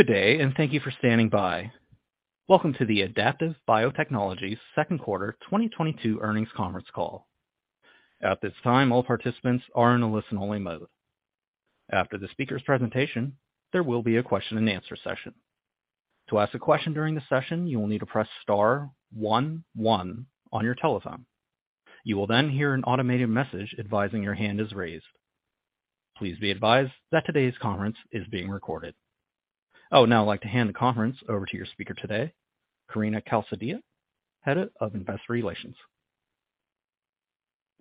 Good day, and thank you for standing by. Welcome to the Adaptive Biotechnologies 2nd quarter 2022 earnings conference call. At this time, all participants are in a listen-only mode. After the speaker's presentation, there will be a question and answer session. To ask a question during the session, you will need to press star one one on your telephone. You will then hear an automated message advising your hand is raised. Please be advised that today's conference is being recorded. I would now like to hand the conference over to your speaker today, Karina Calzadilla, Head of Investor Relations.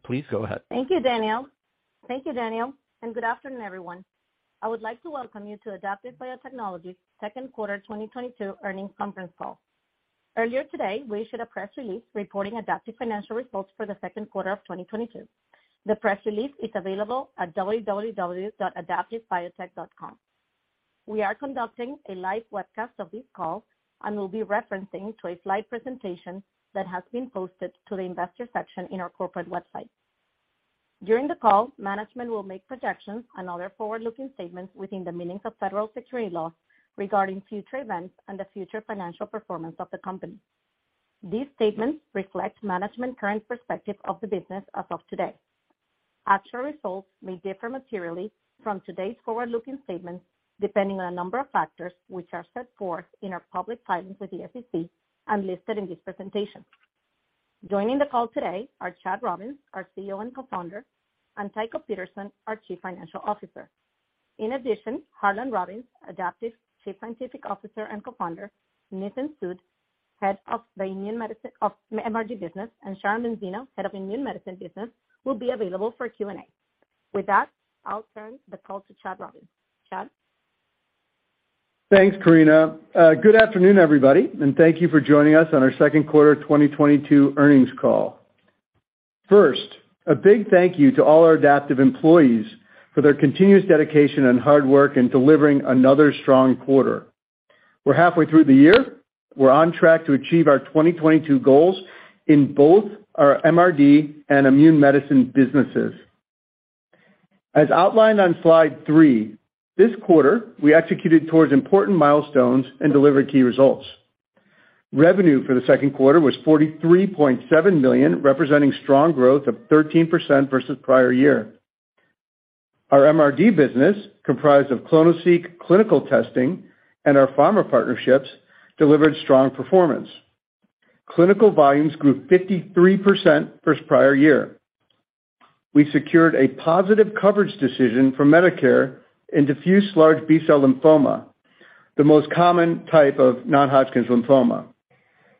Please go ahead. Thank you, Daniel, and good afternoon, everyone. I would like to welcome you to Adaptive Biotechnologies' 2nd quarter 2022 earnings conference call. Earlier today, we issued a press release reporting Adaptive's financial results for the 2nd quarter of 2022. The press release is available at www.adaptivebiotech.com. We are conducting a live webcast of this call and will be referring to a slide presentation that has been posted to the investor section of our corporate website. During the call, management will make projections and other forward-looking statements within the meaning of federal securities laws regarding future events and the future financial performance of the company. These statements reflect management's current perspective of the business as of today. Actual results may differ materially from today's forward-looking statements depending on a number of factors which are set forth in our public filings with the SEC and listed in this presentation. Joining the call today are Chad Robins, our CEO and co-founder, and Tycho Peterson, our Chief Financial Officer. In addition, Harlan Robins, Adaptive's Chief Scientific Officer and co-founder, Nitin Sood, Head of the Immune Medicine MRD business, and Sharon Benzeno, Head of Immune Medicine Business, will be available for Q&A. With that, I'll turn the call to Chad Robins. Chad? Thanks, Karina. Good afternoon, everybody, and thank you for joining us on our 2nd quarter 2022 earnings call. First, a big thank you to all our Adaptive employees for their continuous dedication and hard work in delivering another strong quarter. We're halfway through the year. We're on track to achieve our 2022 goals in both our MRD and immune medicine businesses. As outlined on slide three, this quarter, we executed towards important milestones and delivered key results. Revenue for the 2nd quarter was $43.7 million, representing strong growth of 13% versus prior year. Our MRD business, comprised of clonoSEQ clinical testing and our pharma partnerships, delivered strong performance. Clinical volumes grew 53% versus prior year. We secured a positive coverage decision from Medicare in diffuse large B-cell lymphoma, the most common type of non-Hodgkin's lymphoma.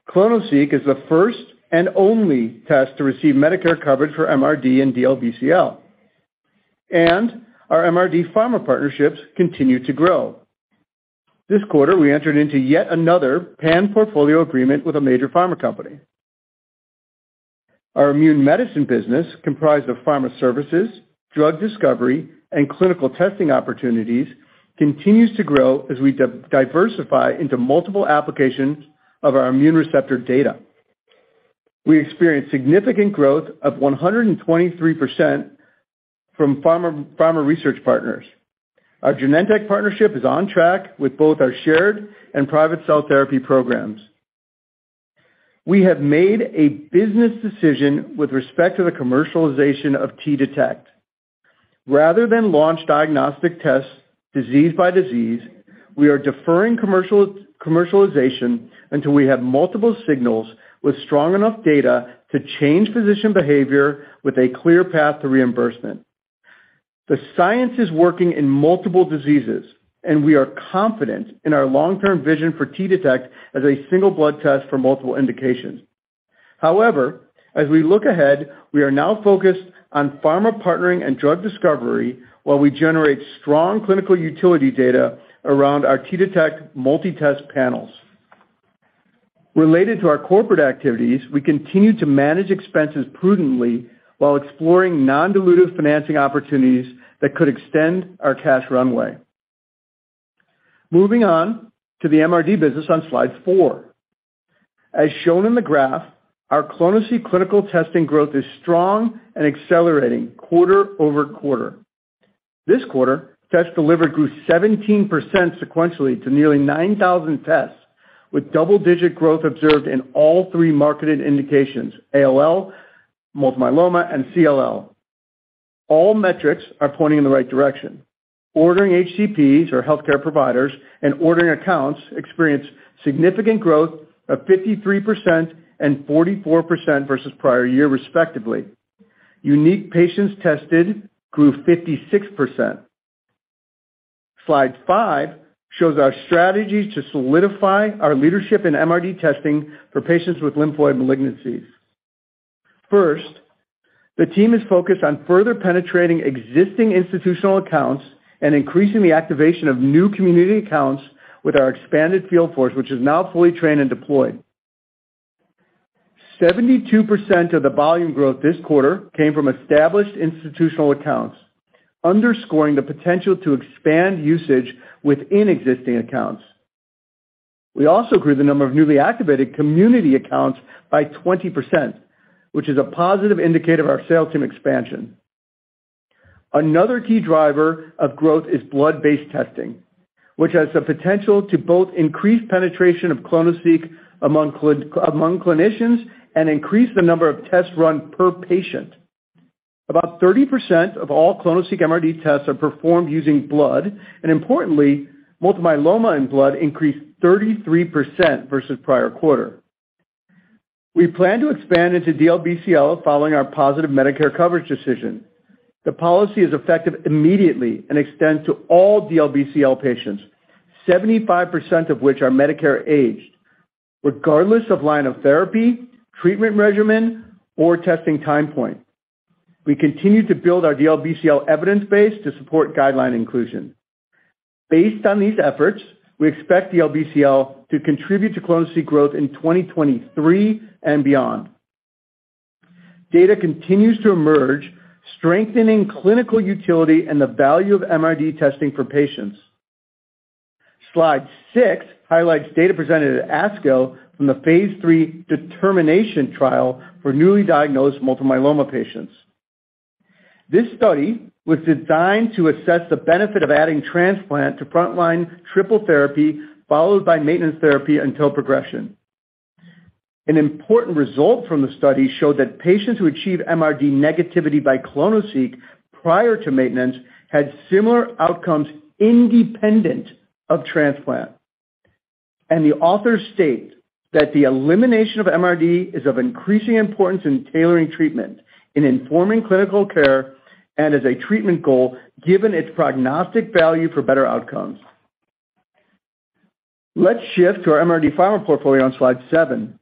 clonoSEQ is the first and only test to receive Medicare coverage for MRD and DLBCL. Our MRD pharma partnerships continue to grow. This quarter, we entered into yet another pan-portfolio agreement with a major pharma company. Our immune medicine business, comprised of pharma services, drug discovery, and clinical testing opportunities, continues to grow as we diversify into multiple applications of our immune receptor data. We experienced significant growth of 123% from pharma research partners. Our Genentech partnership is on track with both our shared and private cell therapy programs. We have made a business decision with respect to the commercialization of T-Detect. Rather than launch diagnostic tests disease by disease, we are deferring commercialization until we have multiple signals with strong enough data to change physician behavior with a clear path to reimbursement. The science is working in multiple diseases, and we are confident in our long-term vision for T-Detect as a single blood test for multiple indications. However, as we look ahead, we are now focused on pharma partnering and drug discovery while we generate strong clinical utility data around our T-Detect multi-test panels. Related to our corporate activities, we continue to manage expenses prudently while exploring non-dilutive financing opportunities that could extend our cash runway. Moving on to the MRD business on slide four. As shown in the graph, our clonoSEQ clinical testing growth is strong and accelerating quarter-over-quarter. This quarter, tests delivered grew 17% sequentially to nearly 9,000 tests, with double-digit growth observed in all three marketed indications: ALL, multiple myeloma, and CLL. All metrics are pointing in the right direction. Ordering HCPs or healthcare providers and ordering accounts experienced significant growth of 53% and 44% versus prior year respectively. Unique patients tested grew 56%. Slide five shows our strategy to solidify our leadership in MRD testing for patients with lymphoid malignancies. First, the team is focused on further penetrating existing institutional accounts and increasing the activation of new community accounts with our expanded field force, which is now fully trained and deployed. 72% of the volume growth this quarter came from established institutional accounts, underscoring the potential to expand usage within existing accounts. We also grew the number of newly activated community accounts by 20%, which is a positive indicator of our sales team expansion. Another key driver of growth is blood-based testing, which has the potential to both increase penetration of clonoSEQ among clinicians and increase the number of tests run per patient. About 30% of all clonoSEQ MRD tests are performed using blood, and importantly, multiple myeloma in blood increased 33% versus prior quarter. We plan to expand into DLBCL following our positive Medicare coverage decision. The policy is effective immediately and extends to all DLBCL patients, 75% of which are Medicare-aged, regardless of line of therapy, treatment regimen, or testing time point. We continue to build our DLBCL evidence base to support guideline inclusion. Based on these efforts, we expect DLBCL to contribute to clonoSEQ growth in 2023 and beyond. Data continues to emerge, strengthening clinical utility and the value of MRD testing for patients. Slide 6 highlights data presented at ASCO from the phase III DETERMINATION trial for newly diagnosed multiple myeloma patients. This study was designed to assess the benefit of adding transplant to front-line triple therapy followed by maintenance therapy until progression. An important result from the study showed that patients who achieve MRD negativity by clonoSEQ prior to maintenance had similar outcomes independent of transplant. The authors state that the elimination of MRD is of increasing importance in tailoring treatment, in informing clinical care, and as a treatment goal, given its prognostic value for better outcomes. Let's shift to our MRD pharma portfolio on slide seven.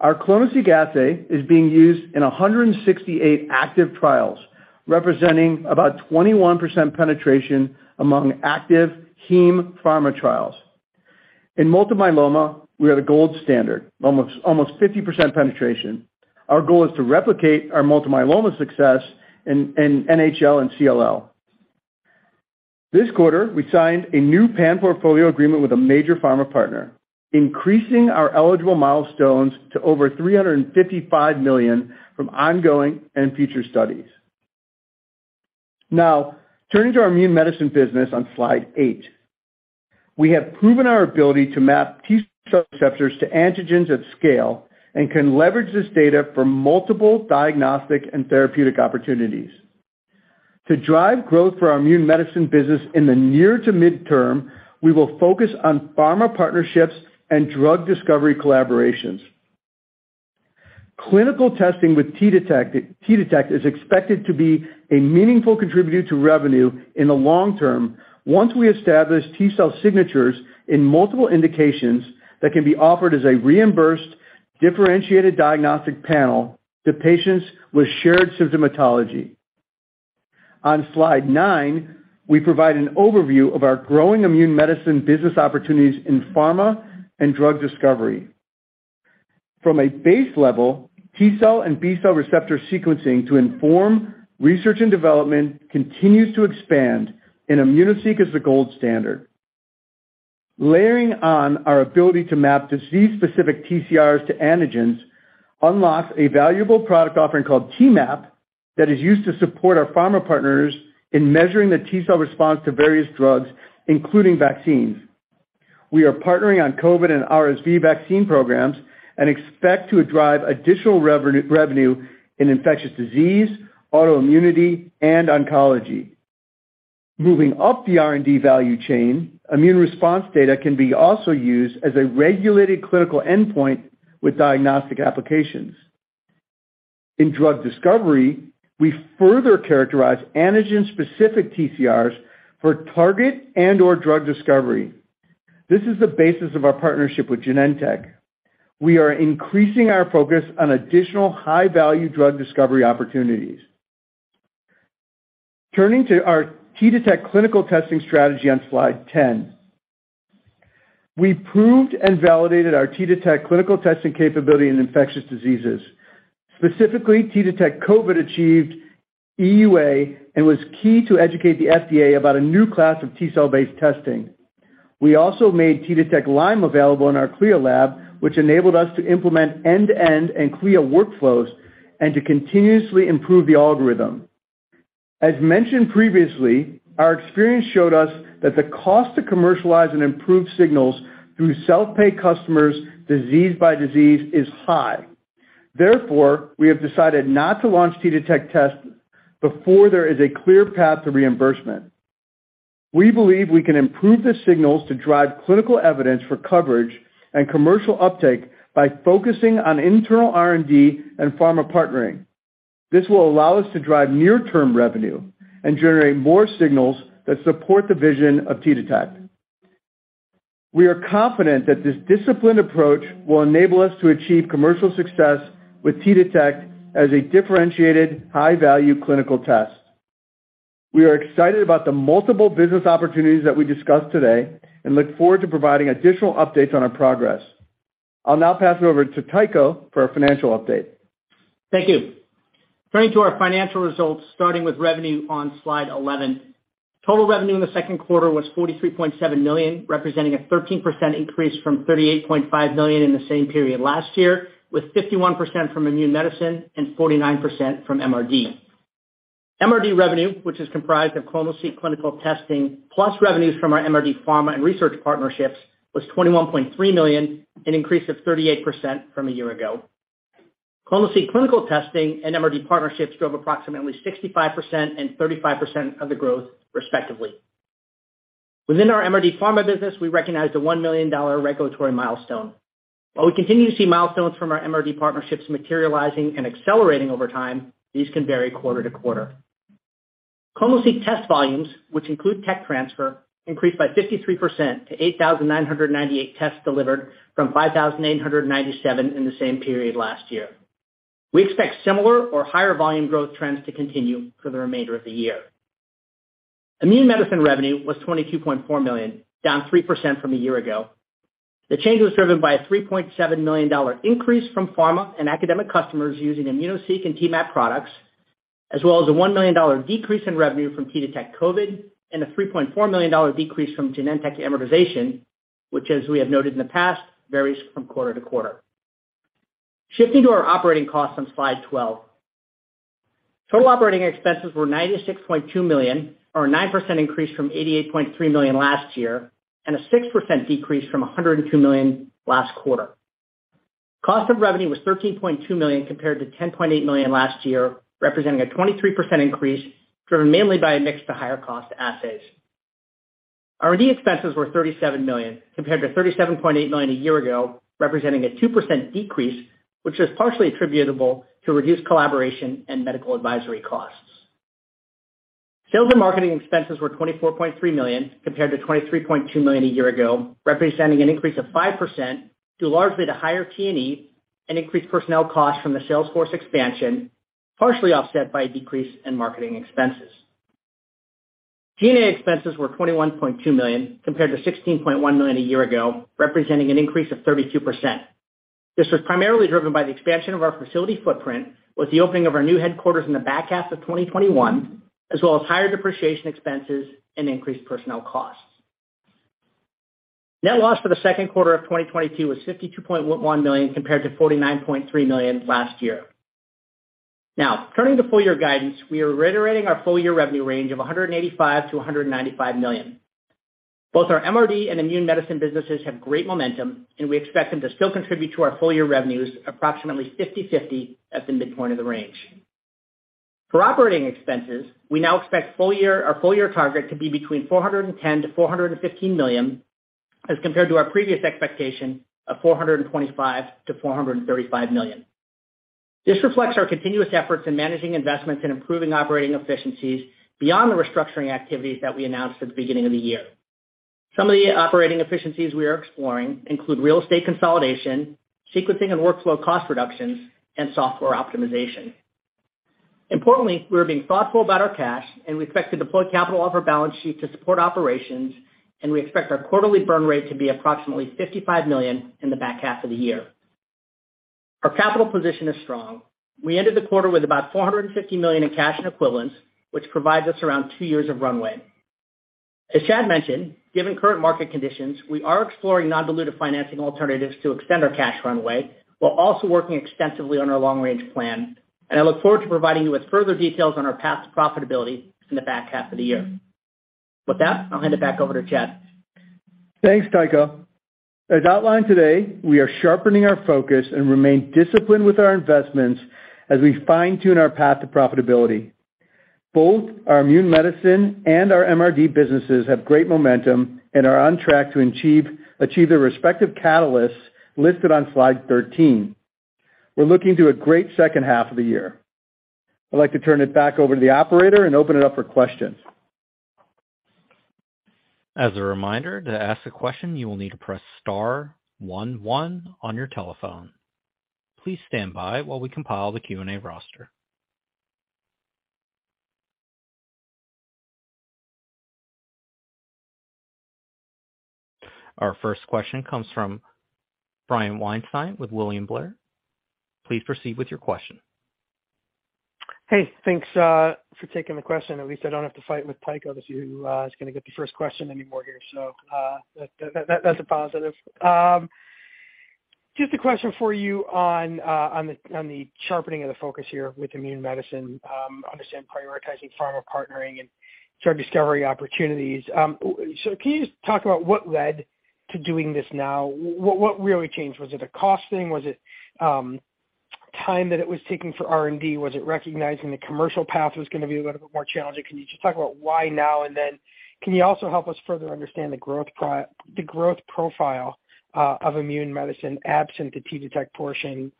Our clonoSEQ assay is being used in 168 active trials, representing about 21% penetration among active heme pharma trials. In multiple myeloma, we are the gold standard, almost 50% penetration. Our goal is to replicate our multiple myeloma success in NHL and CLL. This quarter, we signed a new pan-portfolio agreement with a major pharma partner, increasing our eligible milestones to over $355 million from ongoing and future studies. Now, turning to our immune medicine business on slide eight. We have proven our ability to map T-cell receptors to antigens at scale and can leverage this data for multiple diagnostic and therapeutic opportunities. To drive growth for our immune medicine business in the near to mid-term, we will focus on pharma partnerships and drug discovery collaborations. Clinical testing with T-Detect is expected to be a meaningful contributor to revenue in the long term once we establish T-cell signatures in multiple indications that can be offered as a reimbursed, differentiated diagnostic panel to patients with shared symptomatology. On slide nine, we provide an overview of our growing immune medicine business opportunities in pharma and drug discovery. From a base level, T-cell and B-cell receptor sequencing to inform research and development continues to expand in immunoSEQ as the gold standard. Layering on our ability to map disease-specific TCRs to antigens unlocks a valuable product offering called T-MAP that is used to support our pharma partners in measuring the T-cell response to various drugs, including vaccines. We are partnering on COVID and RSV vaccine programs and expect to drive additional revenue in infectious disease, autoimmunity, and oncology. Moving up the R&D value chain, immune response data can be also used as a regulated clinical endpoint with diagnostic applications. In drug discovery, we further characterize antigen-specific TCRs for target and/or drug discovery. This is the basis of our partnership with Genentech. We are increasing our focus on additional high-value drug discovery opportunities. Turning to our T-Detect clinical testing strategy on slide 10. We proved and validated our T-Detect clinical testing capability in infectious diseases. Specifically, T-Detect COVID achieved EUA and was key to educate the FDA about a new class of T-cell-based testing. We also made T-Detect Lyme available in our CLIA lab, which enabled us to implement end-to-end and CLIA workflows and to continuously improve the algorithm. As mentioned previously, our experience showed us that the cost to commercialize and improve signals through self-pay customers disease by disease is high. Therefore, we have decided not to launch T-Detect tests before there is a clear path to reimbursement. We believe we can improve the signals to drive clinical evidence for coverage and commercial uptake by focusing on internal R&D and pharma partnering. This will allow us to drive near-term revenue and generate more signals that support the vision of T-Detect. We are confident that this disciplined approach will enable us to achieve commercial success with T-Detect as a differentiated high-value clinical test. We are excited about the multiple business opportunities that we discussed today and look forward to providing additional updates on our progress. I'll now pass it over to Tycho for a financial update. Thank you. Turning to our financial results, starting with revenue on slide 11. Total revenue in the 2nd quarter was $43.7 million, representing a 13% increase from $38.5 million in the same period last year, with 51% from immune medicine and 49% from MRD. MRD revenue, which is comprised of clonoSEQ clinical testing, plus revenues from our MRD pharma and research partnerships, was $21.3 million, an increase of 38% from a year ago. clonoSEQ clinical testing and MRD partnerships drove approximately 65% and 35% of the growth respectively. Within our MRD pharma business, we recognized a $1 million regulatory milestone. While we continue to see milestones from our MRD partnerships materializing and accelerating over time, these can vary quarter to quarter. clonoSEQ test volumes, which include tech transfer, increased by 53% to 8,998 tests delivered from 5,897 in the same period last year. We expect similar or higher volume growth trends to continue for the remainder of the year. Immune medicine revenue was $22.4 million, down 3% from a year ago. The change was driven by a $3.7 million increase from pharma and academic customers using immunoSEQ and T-MAP products, as well as a $1 million decrease in revenue from T-Detect COVID and a $3.4 million decrease from Genentech amortization, which, as we have noted in the past, varies from quarter to quarter. Shifting to our operating costs on slide twelve. Total operating expenses were $96.2 million or a 9% increase from $88.3 million last year, and a 6% decrease from $102 million last quarter. Cost of revenue was $13.2 million compared to $10.8 million last year, representing a 23% increase driven mainly by a mix to higher cost assays. R&D expenses were $37 million compared to $37.8 million a year ago, representing a 2% decrease, which is partially attributable to reduced collaboration and medical advisory costs. Sales and marketing expenses were $24.3 million compared to $23.2 million a year ago, representing an increase of 5% due largely to higher T&E and increased personnel costs from the sales force expansion, partially offset by a decrease in marketing expenses. G&A expenses were $21.2 million compared to $16.1 million a year ago, representing an increase of 32%. This was primarily driven by the expansion of our facility footprint with the opening of our new headquarters in the back half of 2021, as well as higher depreciation expenses and increased personnel costs. Net loss for the 2nd quarter of 2022 was $52.1 million compared to $49.3 million last year. Now turning to full year guidance, we are reiterating our full year revenue range of $185 million-$195 million. Both our MRD and immune medicine businesses have great momentum, and we expect them to still contribute to our full year revenues approximately 50/50 at the midpoint of the range. For operating expenses, we now expect full year or full year target to be between $410 million-$415 million, as compared to our previous expectation of $425 million-$435 million. This reflects our continuous efforts in managing investments and improving operating efficiencies beyond the restructuring activities that we announced at the beginning of the year. Some of the operating efficiencies we are exploring include real estate consolidation, sequencing and workflow cost reductions, and software optimization. Importantly, we are being thoughtful about our cash, and we expect to deploy capital off our balance sheet to support operations, and we expect our quarterly burn rate to be approximately $55 million in the back half of the year. Our capital position is strong. We ended the quarter with about $450 million in cash and equivalents, which provides us around two years of runway. As Chad mentioned, given current market conditions, we are exploring non-dilutive financing alternatives to extend our cash runway while also working extensively on our long-range plan. I look forward to providing you with further details on our path to profitability in the back half of the year. With that, I'll hand it back over to Chad. Thanks, Tycho. As outlined today, we are sharpening our focus and remain disciplined with our investments as we fine-tune our path to profitability. Both our immune medicine and our MRD businesses have great momentum and are on track to achieve their respective catalysts listed on slide 13. We're looking to a great second half of the year. I'd like to turn it back over to the operator and open it up for questions. As a reminder, to ask a question, you will need to press star one one on your telephone. Please stand by while we compile the Q&A roster. Our first question comes from Brian Weinstein with William Blair. Please proceed with your question. Hey, thanks for taking the question. At least I don't have to fight with Tycho to see who is gonna get the first question anymore here. That's a positive. Just a question for you on the sharpening of the focus here with immune medicine. I understand prioritizing pharma partnering and sort of discovery opportunities. Can you just talk about what led to doing this now? What really changed? Was it a cost thing? Was it time that it was taking for R&D? Was it recognizing the commercial path was gonna be a little bit more challenging? Can you just talk about why now? Can you also help us further understand the growth profile of immune medicine absent the T-Detect portion?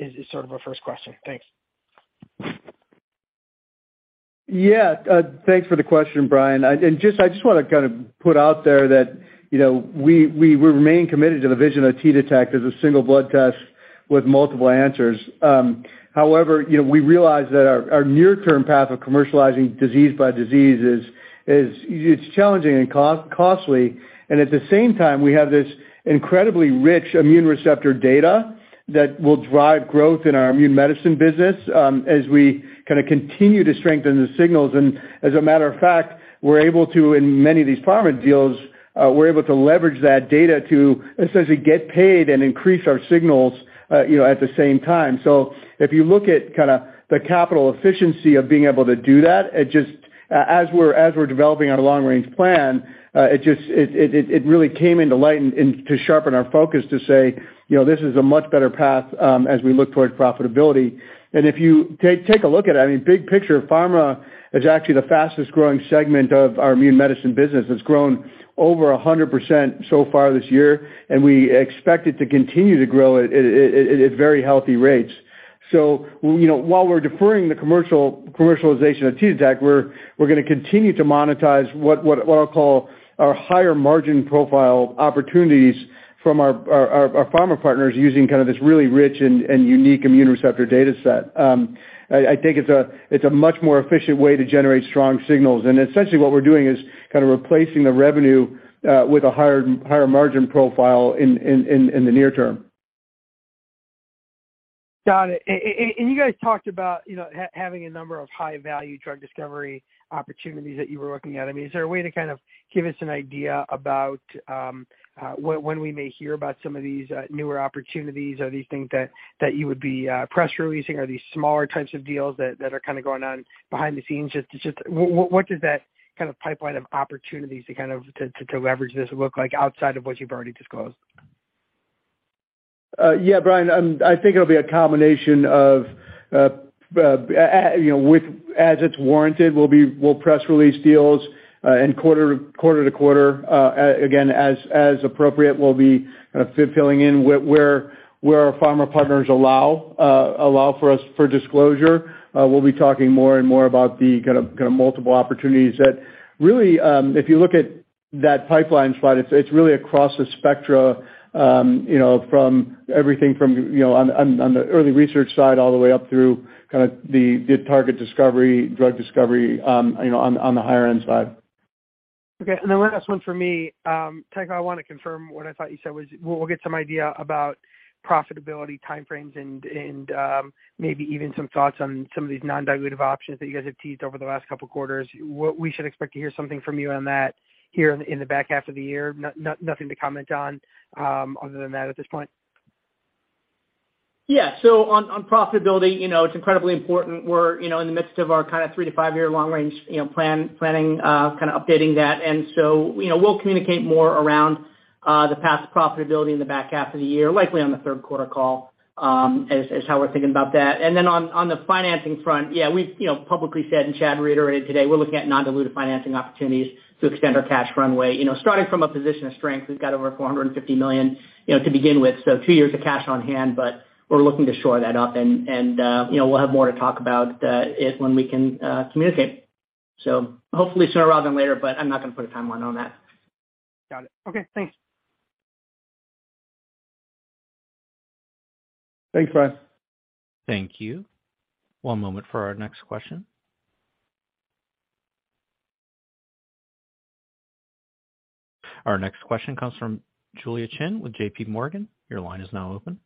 Is sort of our first question. Thanks. Yeah, thanks for the question, Brian. I just wanna kind of put out there that, you know, we remain committed to the vision of T-Detect as a single blood test with multiple answers. However, you know, we realize that our near term path of commercializing disease by disease is it's challenging and costly. At the same time, we have this incredibly rich immune receptor data that will drive growth in our immune medicine business, as we kind of continue to strengthen the signals. As a matter of fact, we're able to, in many of these pharma deals, leverage that data to essentially get paid and increase our signals, you know, at the same time. If you look at kinda the capital efficiency of being able to do that, it just as we're developing our long range plan, it really came to light and to sharpen our focus to say, you know, this is a much better path, as we look towards profitability. If you take a look at it, I mean, big picture pharma is actually the fastest growing segment of our immune medicine business. It's grown over 100% so far this year, and we expect it to continue to grow at very healthy rates. You know, while we're deferring the commercialization of T-Detect, we're gonna continue to monetize what I'll call our higher margin profile opportunities from our pharma partners using kind of this really rich and unique immune receptor data set. I think it's a much more efficient way to generate strong signals. Essentially what we're doing is kind of replacing the revenue with a higher margin profile in the near term. Got it. You guys talked about, you know, having a number of high value drug discovery opportunities that you were looking at. I mean, is there a way to kind of give us an idea about when we may hear about some of these newer opportunities? Are these things that you would be press releasing? Are these smaller types of deals that are kind of going on behind the scenes? Just what does that kind of pipeline of opportunities to kind of leverage this look like outside of what you've already disclosed? Yeah, Brian, I think it'll be a combination of, you know, as it's warranted, we'll press release deals, and quarter to quarter, again, as appropriate, we'll be kind of filling in where our pharma partners allow for us for disclosure. We'll be talking more and more about the kind of multiple opportunities that really, if you look at that pipeline slide, it's really across the spectrum, you know, from everything from, you know, on the early research side all the way up through kind of the target discovery, drug discovery, you know, on the higher end side. Okay. The last one for me, Tycho, I wanna confirm what I thought you said was we'll get some idea about profitability time frames and maybe even some thoughts on some of these non-dilutive options that you guys have teased over the last couple quarters. What we should expect to hear something from you on that here in the back half of the year? Nothing to comment on, other than that at this point. Yeah. On profitability, you know, it's incredibly important. We're in the midst of our kind of three to five-year long range planning, kind of updating that. You know, we'll communicate more around the path to profitability in the back half of the year, likely on the 3rd quarter call, as how we're thinking about that. On the financing front, yeah, we've publicly said and Chad reiterated today, we're looking at non-dilutive financing opportunities to extend our cash runway. You know, starting from a position of strength, we've got over $450 million to begin with, so two years of cash on hand, but we're looking to shore that up and we'll have more to talk about it when we can communicate. Hopefully sooner rather than later, but I'm not gonna put a timeline on that. Got it. Okay, thanks. Thanks, Brian. Thank you. One moment for our next question. Our next question comes from Julia Qin with JPMorgan. Your line is now open.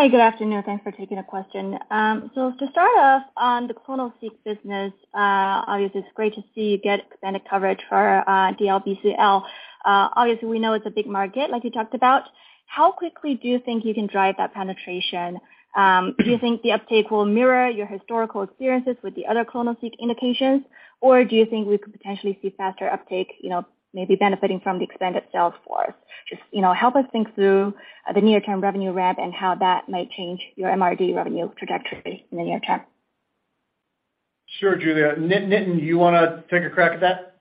Hi, good afternoon. Thanks for taking the question. To start off on the clonoSEQ business, obviously it's great to see you get expanded coverage for DLBCL. Obviously we know it's a big market like you talked about. How quickly do you think you can drive that penetration? Do you think the uptake will mirror your historical experiences with the other clonoSEQ indications? Or do you think we could potentially see faster uptake, you know, maybe benefiting from the expanded sales force? Just, you know, help us think through the near term revenue ramp and how that might change your MRD revenue trajectory in the near term. Sure. Julia. Nitin, do you wanna take a crack at that?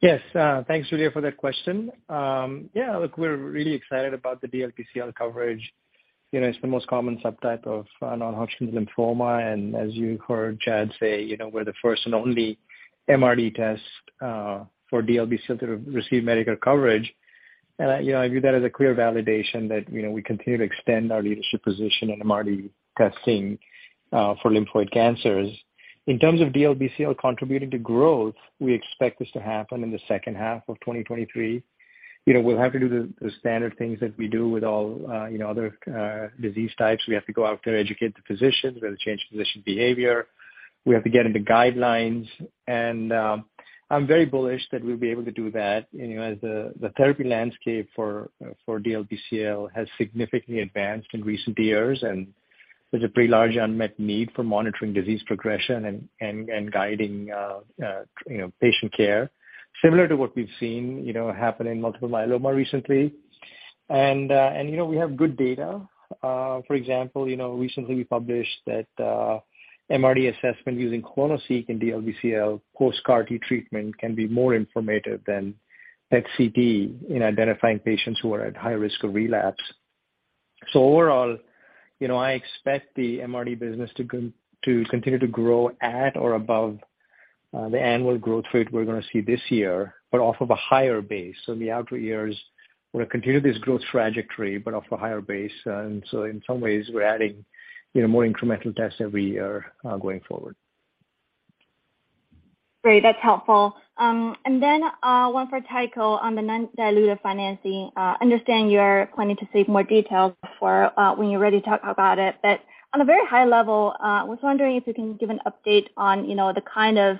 Yes. Thanks Julia for that question. Yeah, look, we're really excited about the DLBCL coverage. You know, it's the most common subtype of non-Hodgkin's lymphoma. As you heard Chad say, you know, we're the first and only MRD test for DLBCL to receive Medicare coverage. You know, I view that as a clear validation that, you know, we continue to extend our leadership position in MRD testing for lymphoid cancers. In terms of DLBCL contributing to growth, we expect this to happen in the second half of 2023. You know, we'll have to do the standard things that we do with all you know, other disease types. We have to go out there, educate the physicians. We have to change physician behavior. We have to get into guidelines and I'm very bullish that we'll be able to do that, you know, as the therapy landscape for DLBCL has significantly advanced in recent years, and there's a pretty large unmet need for monitoring disease progression and guiding, you know, patient care similar to what we've seen, you know, happen in multiple myeloma recently. We have good data. For example, you know, recently we published that MRD assessment using clonoSEQ in DLBCL post-CAR-T treatment can be more informative than PET/CT in identifying patients who are at high risk of relapse. Overall, you know, I expect the MRD business to continue to grow at or above the annual growth rate we're gonna see this year, but off of a higher base. In the outer years, we're gonna continue this growth trajectory but off a higher base. In some ways, we're adding, you know, more incremental tests every year, going forward. Great. That's helpful. One for Tycho on the non-dilutive financing. Understand you're planning to save more details for when you're ready to talk about it. On a very high level, was wondering if you can give an update on, you know, the kind of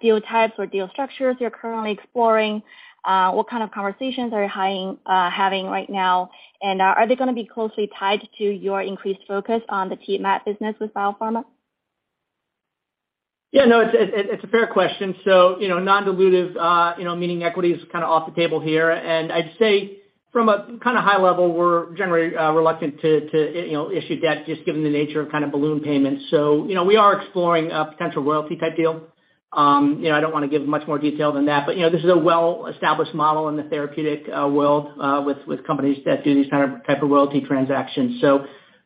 deal types or deal structures you're currently exploring. What kind of conversations are you having right now? And are they gonna be closely tied to your increased focus on the T-MAP business with Biopharma? Yeah, no, it's a fair question. You know, non-dilutive, you know, meaning equity is kinda off the table here. I'd say from a kinda high level, we're generally reluctant to you know, issue debt just given the nature of kind of balloon payments. You know, we are exploring a potential royalty type deal. You know, I don't wanna give much more detail than that, but, you know, this is a well-established model in the therapeutic world, with companies that do these type of royalty transactions.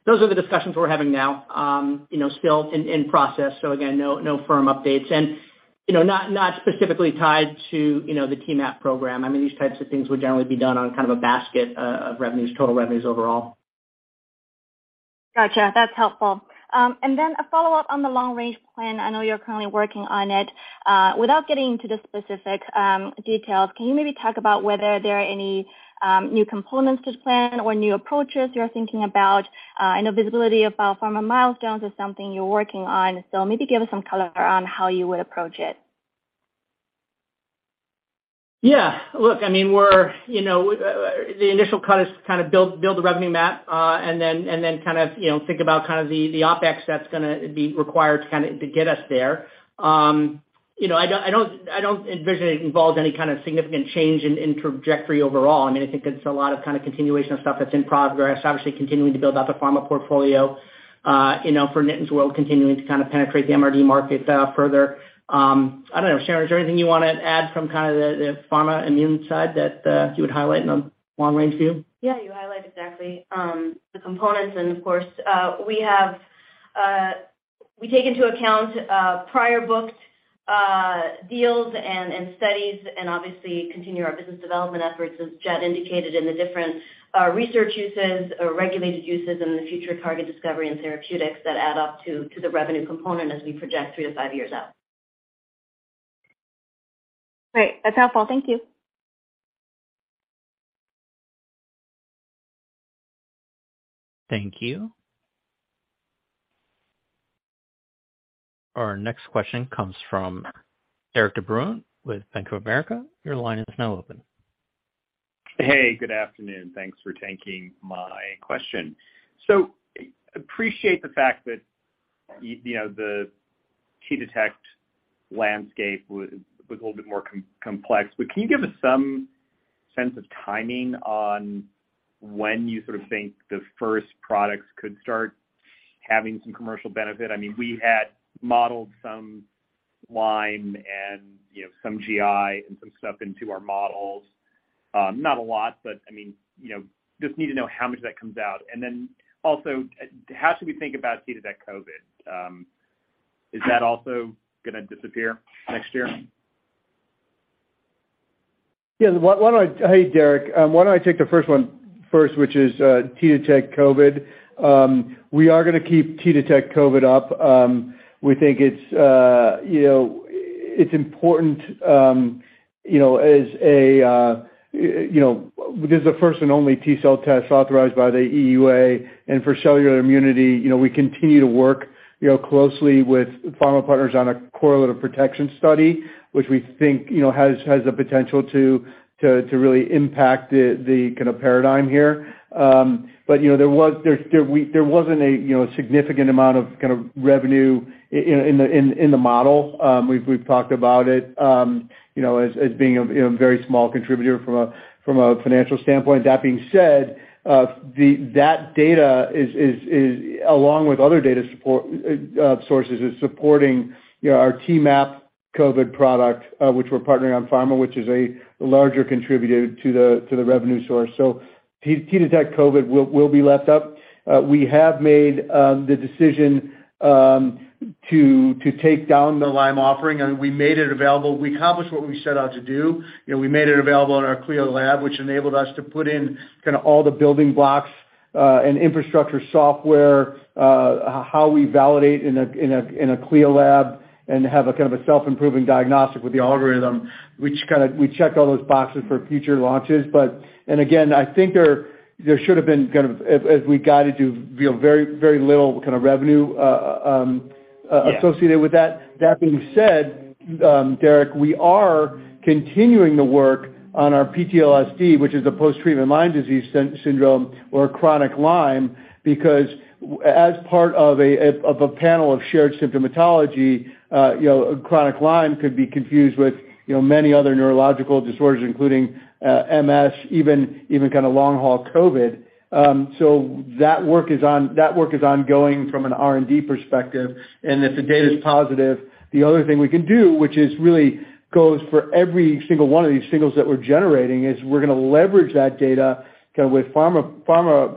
Those are the discussions we're having now, you know, still in process. Again, no firm updates and, you know, not specifically tied to, you know, the T-MAP program. I mean, these types of things would generally be done on kind of a basket of revenues, total revenues overall. Gotcha. That's helpful. A follow-up on the long range plan. I know you're currently working on it. Without getting into the specific details, can you maybe talk about whether there are any new components to the plan or new approaches you're thinking about? I know visibility of Biopharma milestones is something you're working on, so maybe give us some color on how you would approach it. Yeah. Look, I mean, we're, you know, the initial cut is kind of build the revenue map, and then kind of, you know, think about kind of the OpEx that's gonna be required to kinda to get us there. You know, I don't envision it involves any kind of significant change in trajectory overall. I mean, I think it's a lot of kind of continuation of stuff that's in progress, obviously continuing to build out the pharma portfolio, you know, for Nitin's world, continuing to kind of penetrate the MRD market further. I don't know, Sharon, is there anything you wanna add from kind of the pharma immune side that you would highlight in the long range view? Yeah, you highlight exactly the components and of course we take into account prior booked deals and studies and obviously continue our business development efforts, as Chad Robins indicated, in the different research uses or regulated uses in the future target discovery and therapeutics that add up to the revenue component as we project three to five years out. Great. That's helpful. Thank you. Thank you. Our next question comes from Derik De Bruin with Bank of America. Your line is now open. Hey, good afternoon. Thanks for taking my question. Appreciate the fact that you know, the T-Detect landscape was a little bit more complex, but can you give us some sense of timing on when you sort of think the first products could start having some commercial benefit? I mean, we had modeled some Lyme and, you know, some GI and some stuff into our models. Not a lot, but I mean, you know, just need to know how much that comes out. Then also, how should we think about T-Detect COVID? Is that also gonna disappear next year? Yeah, why don't I, hey, Derik De Bruin. Why don't I take the first one first, which is T-Detect COVID. We are gonna keep T-Detect COVID up. We think it's, you know, it's important, you know, as a, you know, this is the first and only T-cell test authorized by the EUA and for cellular immunity. You know, we continue to work, you know, closely with pharma partners on a correlative protection study, which we think, you know, has the potential to really impact the kinda paradigm here. But, you know, there wasn't a, you know, significant amount of kind of revenue in the model. We've talked about it, you know, as being a, you know, very small contributor from a financial standpoint. That being said, that data is along with other data support sources, is supporting, you know, our T-MAP COVID product, which we're partnering on pharma, which is a larger contributor to the revenue source. T-Detect COVID will be left up. We have made the decision to take down the Lyme offering, and we made it available. We accomplished what we set out to do. You know, we made it available in our CLIA lab, which enabled us to put in kind of all the building blocks and infrastructure software, how we validate in a CLIA lab and have a kind of a self-improving diagnostic with the algorithm, which kind of we checked all those boxes for future launches. Again, I think there should have been kind of, as we guided you know, very little kind of revenue associated with that. That being said, Derik, we are continuing the work on our PTLDS, which is the post-treatment Lyme disease syndrome or chronic Lyme, because as part of a panel of shared symptomatology, you know, chronic Lyme could be confused with, you know, many other neurological disorders, including MS, even kinda long haul COVID. That work is ongoing from an R&D perspective. If the data is positive, the other thing we can do, which really goes for every single one of these signals that we're generating, is we're gonna leverage that data kinda with pharma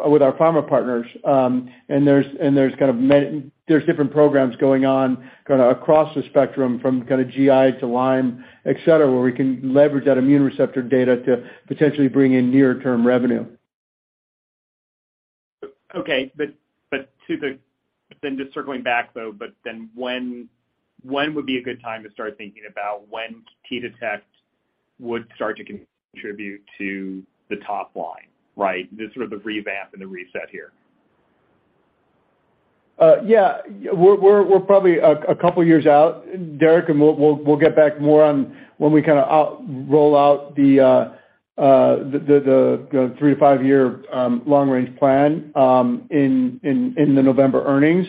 with our pharma partners. There's different programs going on kinda across the spectrum from kinda GI to Lyme, et cetera, where we can leverage that immune receptor data to potentially bring in near term revenue. Just circling back though, but then when would be a good time to start thinking about when T-Detect would start to contribute to the top line, right? The sort of the revamp and the reset here. Yeah, we're probably a couple years out, Derik, and we'll get back more on when we kinda roll out the three to five-year long-range plan in the November earnings.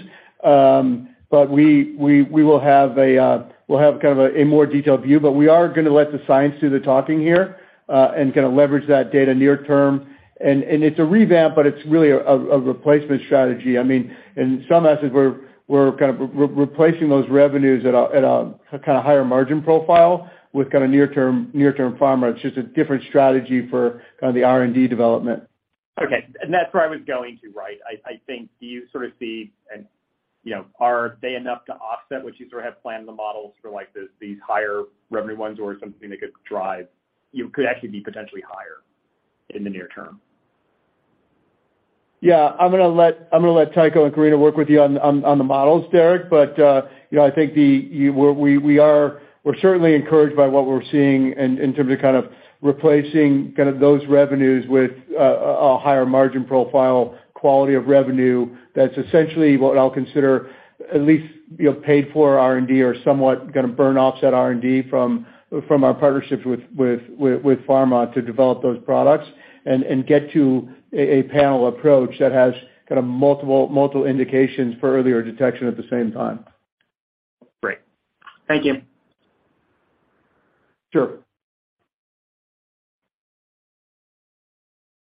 But we'll have kind of a more detailed view, but we are gonna let the science do the talking here and kinda leverage that data near term. It's a revamp, but it's really a replacement strategy. I mean, in some assets we're kind of replacing those revenues at a kinda higher margin profile with kinda near-term pharma. It's just a different strategy for kinda the R&D development. Okay. That's where I was going to, right? I think, do you sort of see, and you know, are they enough to offset what you sort of have planned in the models for like the, these higher revenue ones or something that could drive? You could actually be potentially higher in the near term? Yeah. I'm gonna let Tycho and Karina work with you on the models, Derik. You know, I think we're certainly encouraged by what we're seeing in terms of replacing those revenues with a higher margin profile, quality of revenue. That's essentially what I'll consider at least, you know, paid for R&D or somewhat gonna burn offset R&D from our partnerships with pharma to develop those products and get to a panel approach that has multiple indications for earlier detection at the same time. Great. Thank you. Sure.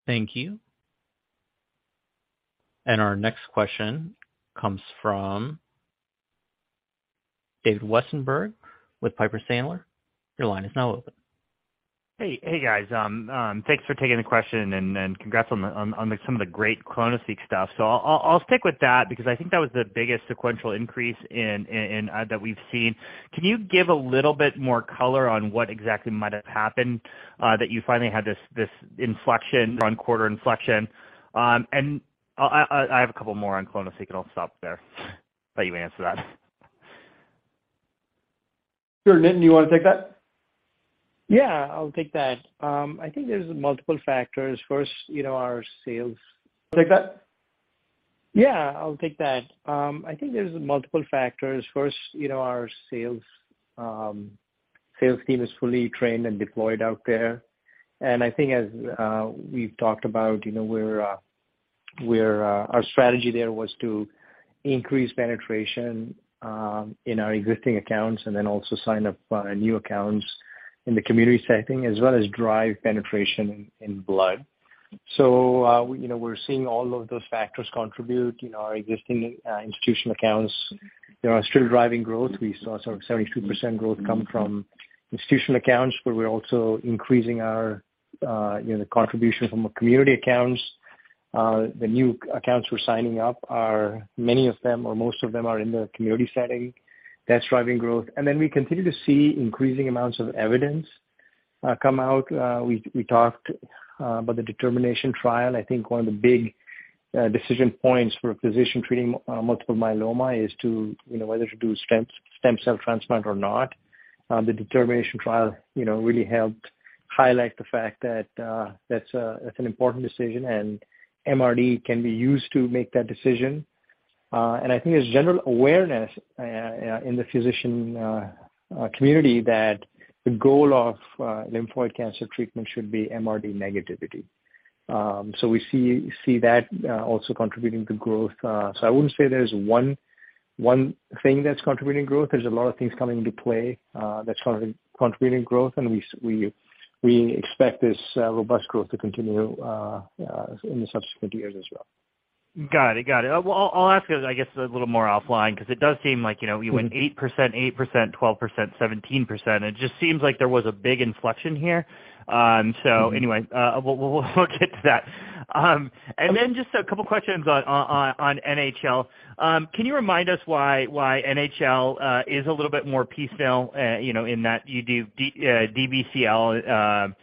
Thank you. Our next question comes from David Westenberg with Piper Sandler. Your line is now open. Hey. Hey, guys. Thanks for taking the question and congrats on some of the great clonoSEQ stuff. I'll stick with that because I think that was the biggest sequential increase in that we've seen. Can you give a little bit more color on what exactly might have happened that you finally had this inflection run quarter inflection? I have a couple more on clonoSEQ, and I'll stop there, how you answer that. Sure. Nitin, do you wanna take that? Yeah, I'll take that. I think there's multiple factors. First, you know, our sales- Take that? Yeah, I'll take that. I think there's multiple factors. First, you know, our sales team is fully trained and deployed out there. I think as we've talked about, you know, we're our strategy there was to increase penetration in our existing accounts and then also sign up new accounts in the community setting, as well as drive penetration in blood. You know, we're seeing all of those factors contribute in our existing institutional accounts. They are still driving growth. We saw sort of 72% growth come from institutional accounts, but we're also increasing our, you know, the contribution from community accounts. The new accounts we're signing up are, many of them or most of them are in the community setting. That's driving growth. We continue to see increasing amounts of evidence come out. We talked about the DETERMINATION trial. I think one of the big decision points for a physician treating multiple myeloma is to you know whether to do stem cell transplant or not. The DETERMINATION trial you know really helped highlight the fact that that's an important decision, and MRD can be used to make that decision. I think there's general awareness in the physician community that the goal of lymphoid cancer treatment should be MRD negativity. We see that also contributing to growth. I wouldn't say there's one thing that's contributing growth. There's a lot of things coming into play, that's contributing growth, and we expect this robust growth to continue in the subsequent years as well. Got it. Well, I'll ask, I guess, a little more offline 'cause it does seem like, you know, we went 8%, 8%, 12%, 17%. It just seems like there was a big inflection here. Anyway, we'll look into that. Just a couple of questions on NHL. Can you remind us why NHL is a little bit more piecemeal, you know, in that you do DLBCL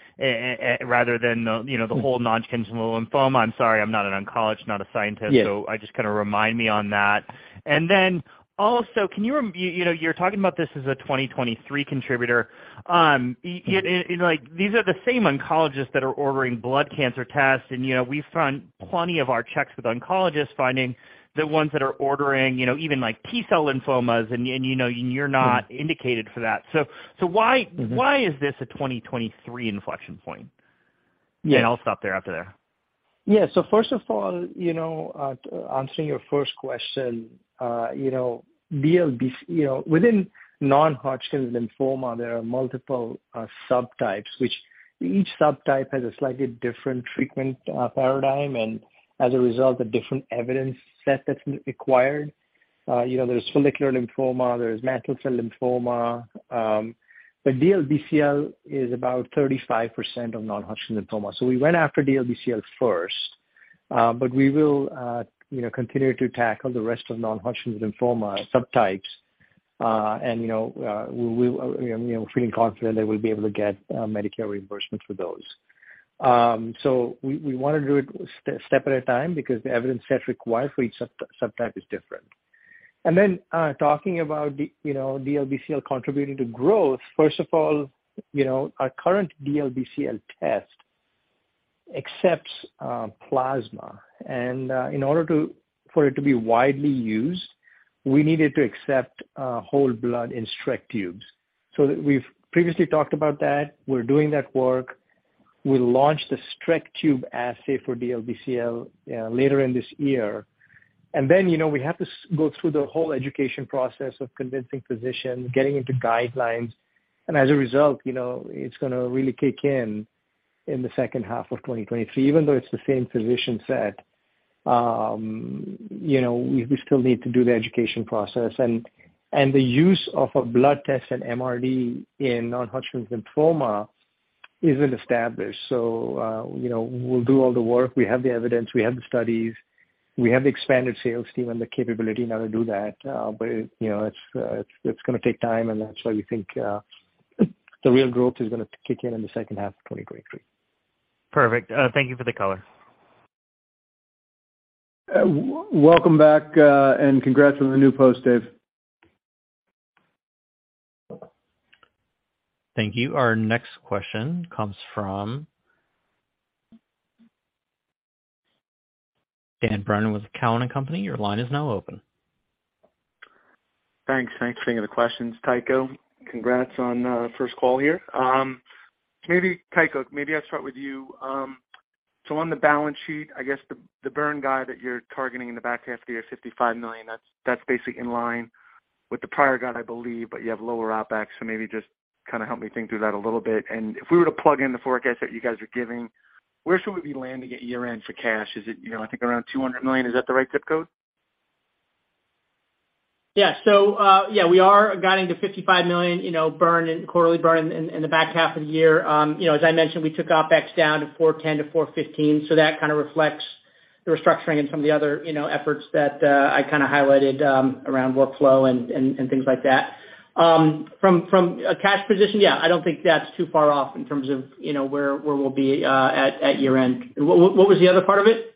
rather than the, you know, the whole non-Hodgkin's lymphoma? I'm sorry, I'm not an oncologist, not a scientist. Yeah. I just kinda remind me on that. Then also, can you know, you're talking about this as a 2023 contributor. Like, these are the same oncologists that are ordering blood cancer tests. You know, we've done plenty of our checks with oncologists, finding the ones that are ordering, you know, even like T-cell lymphomas and you know, you're not indicated for that. Why? Mm-hmm. Why is this a 2023 inflection point? Yeah. I'll stop there. Yeah. First of all, you know, answering your first question, you know, DLBCL. You know, within non-Hodgkin's lymphoma, there are multiple subtypes, which each subtype has a slightly different treatment paradigm and as a result, a different evidence set that's required. You know, there's follicular lymphoma, there's mantle cell lymphoma. DLBCL is about 35% of non-Hodgkin's lymphoma. We went after DLBCL first, but we will, you know, continue to tackle the rest of non-Hodgkin's lymphoma subtypes. You know, we feeling confident that we'll be able to get Medicare reimbursement for those. We wanna do it step at a time because the evidence set required for each subtype is different. Talking about the you know, DLBCL contributing to growth, first of all, you know, our current DLBCL test accepts plasma. For it to be widely used, we needed to accept whole blood in Streck tubes. We've previously talked about that, we're doing that work. We'll launch the Streck tube assay for DLBCL later in this year. You know, we have to go through the whole education process of convincing physicians, getting into guidelines. As a result, you know, it's gonna really kick in in the second half of 2023. Even though it's the same physician set, you know, we still need to do the education process. The use of a blood test and MRD in non-Hodgkin's lymphoma isn't established. You know, we'll do all the work. We have the evidence, we have the studies, we have the expanded sales team and the capability now to do that. But, you know, it's gonna take time, and that's why we think the real growth is gonna kick in in the second half of 2023. Perfect. Thank you for the color. Welcome back, and congrats on the new post, Dave. Thank you. Our next question comes from Dan Brennan with Cowen and Company. Your line is now open. Thanks. Thanks for taking the questions. Tycho, congrats on first call here. Maybe Tycho, maybe I'll start with you. On the balance sheet, I guess the burn guide that you're targeting in the back half of the year, $55 million, that's basically in line with the prior guide, I believe, but you have lower OpEx. Maybe just kinda help me think through that a little bit. If we were to plug in the forecast that you guys are giving, where should we be landing at year-end for cash? Is it, you know, I think around $200 million? Is that the right zip code? Yeah. We are guiding to $55 million, you know, burn and quarterly burn in the back half of the year. You know, as I mentioned, we took OpEx down to $410 million-$415 million, so that kinda reflects the restructuring and some of the other, you know, efforts that I kinda highlighted around workflow and things like that. From a cash position, yeah, I don't think that's too far off in terms of, you know, where we'll be at year-end. What was the other part of it?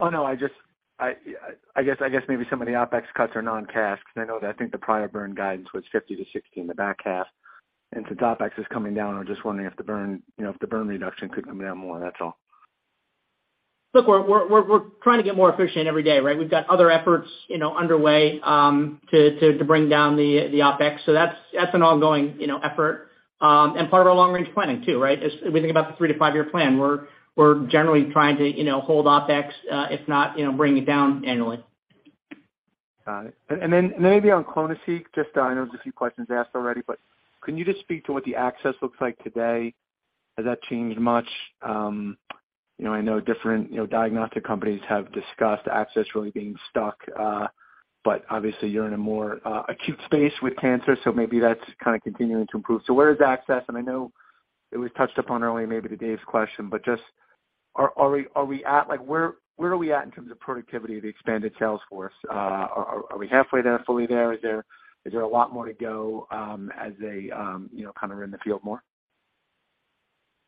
Oh, no, I just I guess maybe some of the OpEx cuts are non-cash because I know that I think the prior burn guidance was $50-$60 in the back half. Since OpEx is coming down, I'm just wondering if the burn, you know, if the burn reduction could come down more, that's all. Look, we're trying to get more efficient every day, right? We've got other efforts, you know, underway, to bring down the OpEx. That's an ongoing, you know, effort, and part of our long-range planning too, right? As we think about the three to five-year plan, we're generally trying to, you know, hold OpEx, if not, you know, bring it down annually. Got it. Maybe on clonoSEQ, just I know there's a few questions asked already, but can you just speak to what the access looks like today? Has that changed much? You know, I know different diagnostic companies have discussed access really being stuck, but obviously you're in a more acute space with cancer, so maybe that's kinda continuing to improve. Where is the access? I know it was touched upon earlier, maybe to Dave's question, but just are we at, like where are we at in terms of productivity of the expanded sales force? Are we halfway there? Fully there? Is there a lot more to go, as they you know, kind of are in the field more?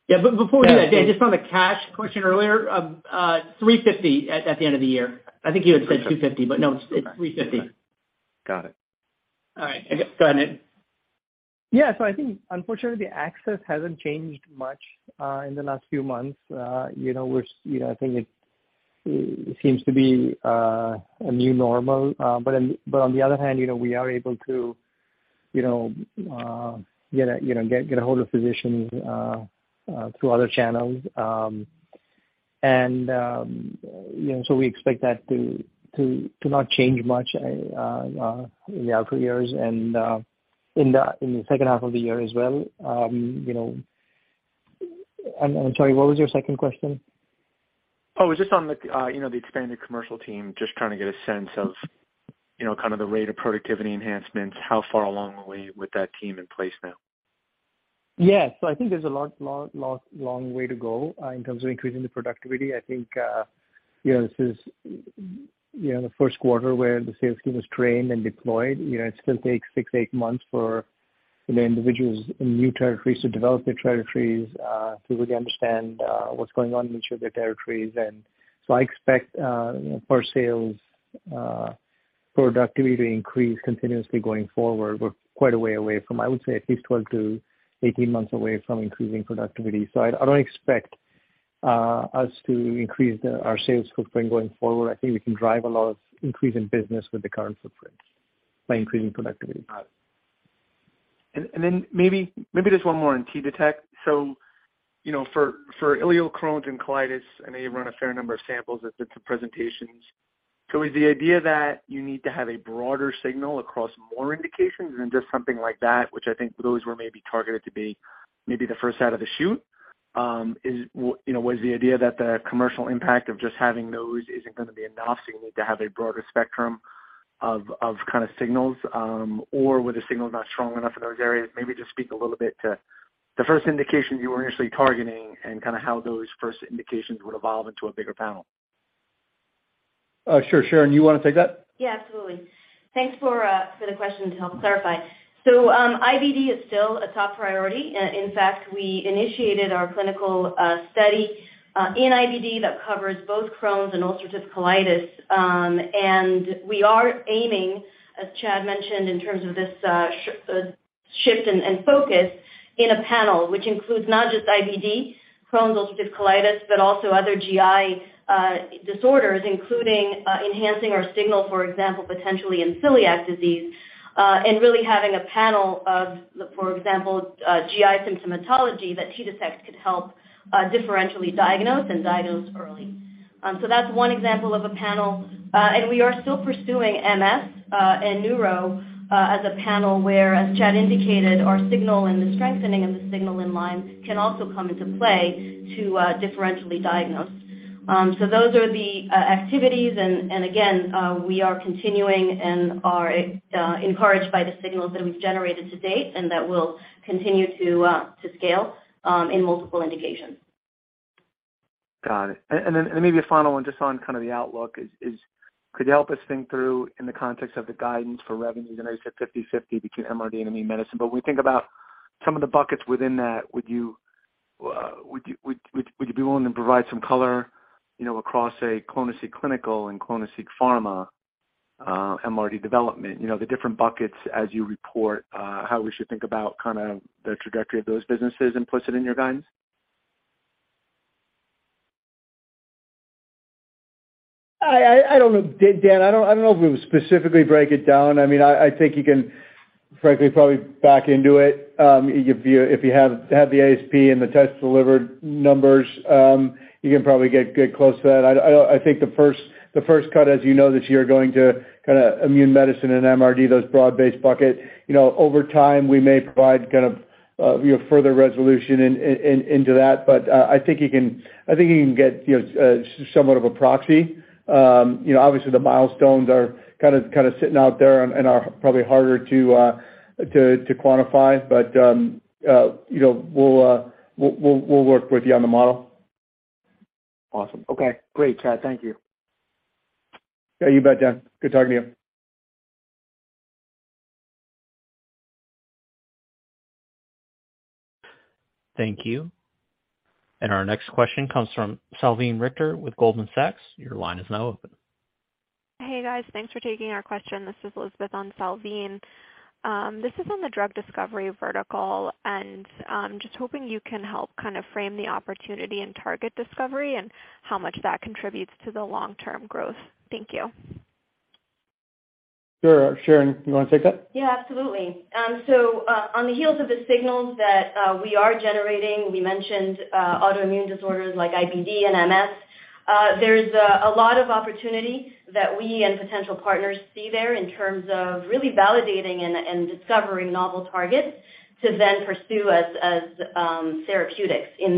Yeah. Before we do that, Dan, just on the cash question earlier, $350 at the end of the year. I think you had said $250, but no, it's $350. Got it. All right. Go ahead. Yeah. I think unfortunately, the access hasn't changed much in the last few months. You know, I think it seems to be a new normal. But on the other hand, you know, we are able to, you know, get a hold of physicians through other channels. You know, so we expect that to not change much in the upcoming years and in the second half of the year as well. You know. Sorry, what was your second question? Oh, it was just on the, you know, the expanded commercial team. Just trying to get a sense of, you know, kind of the rate of productivity enhancements. How far along are we with that team in place now? Yeah. I think there's a long way to go in terms of increasing the productivity. I think you know this is you know the 1st quarter where the sales team was trained and deployed. You know it still takes six to eight months for you know individuals in new territories to develop their territories to really understand what's going on in each of their territories. I expect for sales productivity to increase continuously going forward. We're quite a way away from I would say at least 12-18 months away from increasing productivity. I don't expect us to increase our sales footprint going forward. I think we can drive a lot of increase in business with the current footprint by increasing productivity. Got it. Maybe just one more on T-Detect. You know, for ileal Crohn's and colitis, I know you run a fair number of samples at different presentations. Is the idea that you need to have a broader signal across more indications than just something like that? Which I think those were maybe targeted to be the first out of the chute. You know, was the idea that the commercial impact of just having those isn't gonna be enough, so you need to have a broader spectrum of kind of signals, or were the signals not strong enough in those areas? Maybe just speak a little bit to the first indication you were initially targeting and kinda how those first indications would evolve into a bigger panel. Oh, sure. Sharon, you wanna take that? Yeah, absolutely. Thanks for the question to help clarify. IBD is still a top priority. In fact, we initiated our clinical study in IBD that covers both Crohn's and ulcerative colitis. We are aiming, as Chad mentioned, in terms of this shift and focus in a panel which includes not just IBD, Crohn's, ulcerative colitis, but also other GI disorders, including enhancing our signal, for example, potentially in celiac disease. Really having a panel of, for example, GI symptomatology that T-Detect could help differentially diagnose and diagnose early. That's one example of a panel. We are still pursuing MS and neuro as a panel where, as Chad indicated, our signal and the strengthening of the signal in mind can also come into play to differentially diagnose. Those are the activities. Again, we are continuing and are encouraged by the signals that we've generated to date and that will continue to scale in multiple indications. Got it. Maybe a final one just on kind of the outlook, could you help us think through in the context of the guidance for revenue? I know you said 50/50 between MRD and immune medicine, but when we think about some of the buckets within that, would you be willing to provide some color, you know, across clonoSEQ clinical and clonoSEQ pharma, MRD development? You know, the different buckets as you report, how we should think about kinda the trajectory of those businesses implicit in your guidance? I don't know, Dan, if we would specifically break it down. I mean, I think you can frankly probably back into it. If you have the ASP and the tests delivered numbers, you can probably get close to that. I think the first cut, as you know, this year going to kinda immune medicine and MRD, those broad-based bucket. You know, over time, we may provide kind of, you know, further resolution into that. But I think you can get, you know, somewhat of a proxy. You know, obviously the milestones are kinda sitting out there and are probably harder to quantify. But you know, we'll work with you on the model. Awesome. Okay, great, Chad. Thank you. Yeah, you bet, Dan. Good talking to you. Thank you. Our next question comes from Salveen Richter with Goldman Sachs. Your line is now open. Hey, guys. Thanks for taking our question. This is Elizabeth on Salveen. This is on the drug discovery vertical, and just hoping you can help kind of frame the opportunity in target discovery and how much that contributes to the long-term growth. Thank you. Sure. Sharon, you wanna take that? Yeah, absolutely. On the heels of the signals that we are generating, we mentioned autoimmune disorders like IBD and MS. There's a lot of opportunity that we and potential partners see there in terms of really validating and discovering novel targets to then pursue as therapeutics in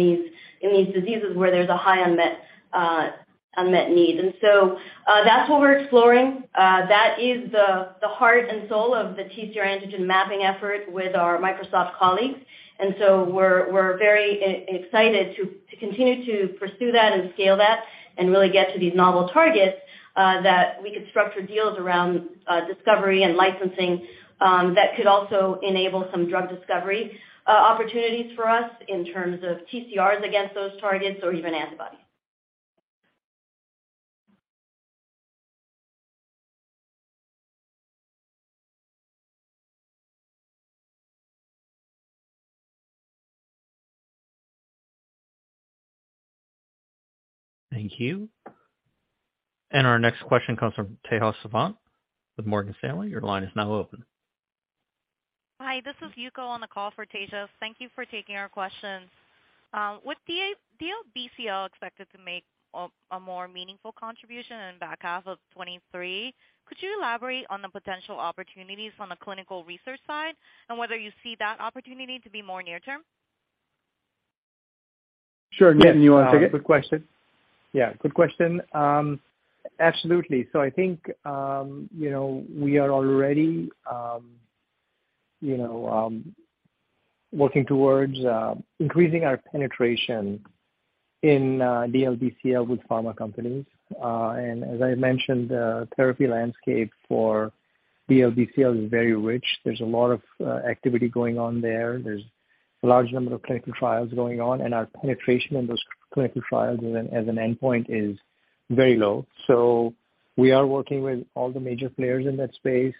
these diseases where there's a high unmet need. That's what we're exploring. That is the heart and soul of the TCR antigen mapping effort with our Microsoft colleagues. We're very excited to continue to pursue that and scale that and really get to these novel targets that we could structure deals around discovery and licensing that could also enable some drug discovery opportunities for us in terms of TCRs against those targets or even antibodies. Thank you. Our next question comes from Tejas Savant with Morgan Stanley. Your line is now open. Hi, this is Yuko on the call for Tejas. Thank you for taking our questions. Would the DLBCL expected to make a more meaningful contribution in the back half of 2023? Could you elaborate on the potential opportunities on the clinical research side and whether you see that opportunity to be more near term? Sure. Nitin, you wanna take it? Good question. Absolutely. I think, you know, we are already, you know, working towards increasing our penetration in DLBCL with pharma companies. As I mentioned, therapy landscape for DLBCL is very rich. There's a lot of activity going on there. There's a large number of clinical trials going on, and our penetration in those clinical trials as an endpoint is very low. We are working with all the major players in that space,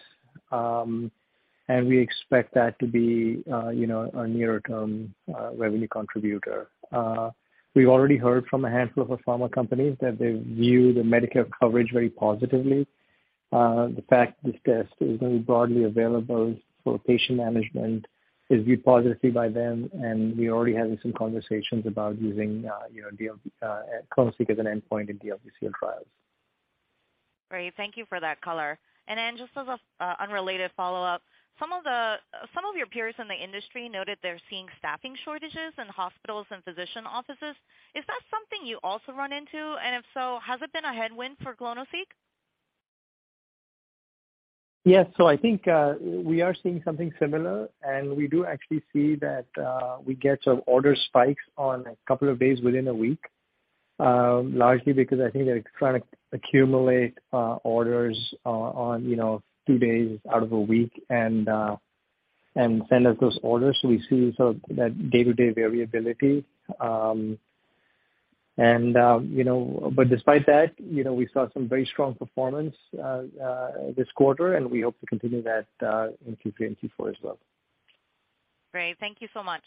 and we expect that to be, you know, a near-term revenue contributor. We've already heard from a handful of pharma companies that they view the Medicare coverage very positively. The fact this test is going to be broadly available for patient management is viewed positively by them, and we're already having some conversations about using, you know, clonoSEQ as an endpoint in DLBCL trials. Great. Thank you for that color. Then just as an unrelated follow-up, some of your peers in the industry noted they're seeing staffing shortages in hospitals and physician offices. Is that something you also run into? And if so, has it been a headwind for clonoSEQ? Yes. I think we are seeing something similar, and we do actually see that we get some order spikes on a couple of days within a week, largely because I think they're trying to accumulate orders on, you know, two days out of a week and send us those orders. We see sort of that day-to-day variability. You know, despite that, you know, we saw some very strong performance this quarter, and we hope to continue that in Q3 and Q4 as well. Great. Thank you so much.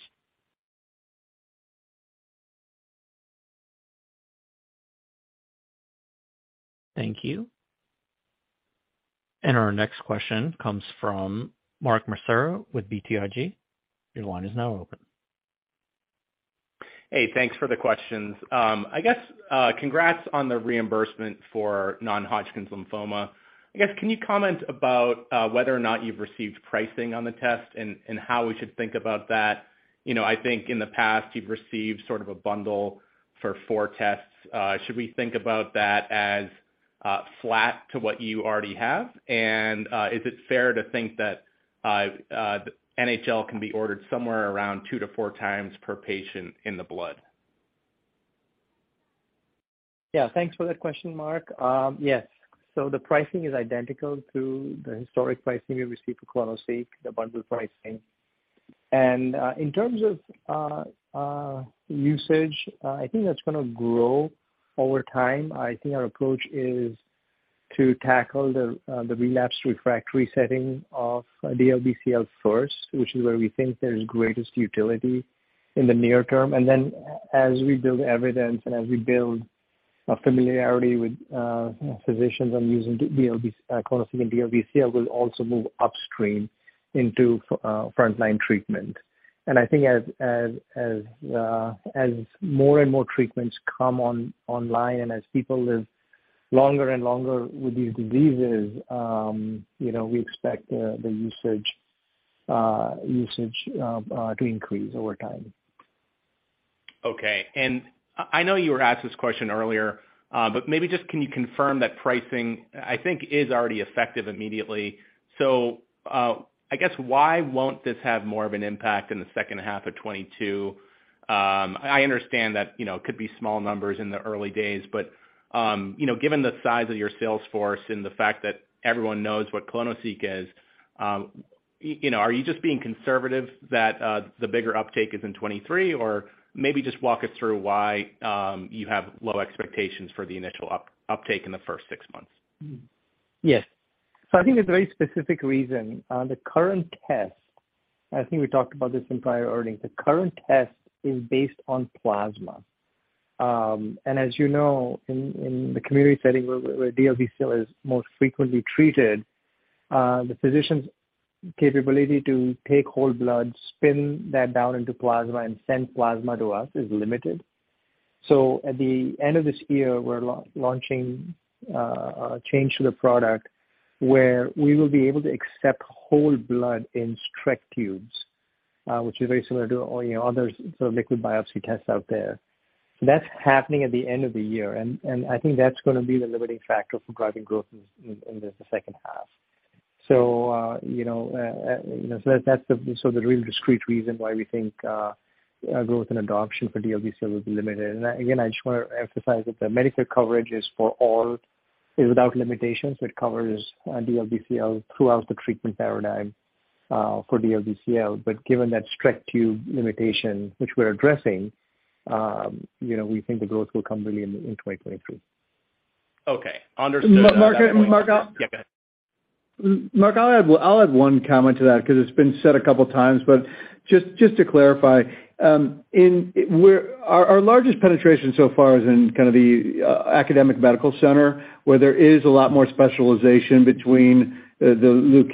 Thank you. Our next question comes from Mark Massaro with BTIG. Your line is now open. Hey, thanks for the questions. I guess, congrats on the reimbursement for non-Hodgkin's lymphoma. I guess, can you comment about whether or not you've received pricing on the test and how we should think about that? You know, I think in the past you've received sort of a bundle for four tests. Should we think about that as flat to what you already have? Is it fair to think that NHL can be ordered somewhere around two to four times per patient in the blood? Yeah. Thanks for that question, Mark. Yes. The pricing is identical to the historic pricing we received for clonoSEQ, the bundle pricing. In terms of usage, I think that's gonna grow over time. I think our approach is to tackle the relapsed refractory setting of DLBCL first, which is where we think there's greatest utility in the near term. As we build evidence and as we build a familiarity with physicians on using clonoSEQ and DLBCL, we'll also move upstream into frontline treatment. I think as more and more treatments come online and as people live longer and longer with these diseases, you know, we expect the usage to increase over time. Okay. I know you were asked this question earlier, but maybe just can you confirm that pricing, I think, is already effective immediately. I guess why won't this have more of an impact in the second half of 2022? I understand that, you know, it could be small numbers in the early days, but, you know, given the size of your sales force and the fact that everyone knows what clonoSEQ is, you know, are you just being conservative that the bigger uptake is in 2023? Or maybe just walk us through why you have low expectations for the initial uptake in the first six months. Yes. I think there's a very specific reason. The current test, I think we talked about this in prior earnings, the current test is based on plasma. And as you know, in the community setting where DLBCL is most frequently treated, the physician's capability to take whole blood, spin that down into plasma, and send plasma to us is limited. At the end of this year, we're launching a change to the product where we will be able to accept whole blood in Streck tubes, which is very similar to, you know, other sort of liquid biopsy tests out there. That's happening at the end of the year, and I think that's gonna be the limiting factor for driving growth in the second half. You know, that's the real discrete reason why we think growth and adoption for DLBCL will be limited. Again, I just wanna emphasize that the Medicare coverage is for all without limitations. It covers DLBCL throughout the treatment paradigm for DLBCL. Given that Streck tube limitation which we're addressing, you know, we think the growth will come really in 2023. Okay. Understood. Mark, I- Yeah, go ahead. Mark, I'll add one comment to that 'cause it's been said a couple times, but just to clarify, where our largest penetration so far is in kind of the academic medical center, where there is a lot more specialization between the